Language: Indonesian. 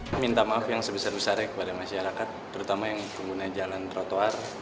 saya minta maaf yang sebesar besarnya kepada masyarakat terutama yang menggunakan jalan trotoar